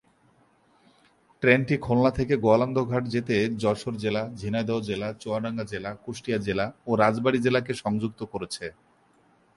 ট্রেনটি খুলনা থেকে গোয়ালন্দ ঘাট যেতে যশোর জেলা, ঝিনাইদহ জেলা, চুয়াডাঙ্গা জেলা, কুষ্টিয়া জেলা ও রাজবাড়ী জেলাকে সংযুক্ত করেছে।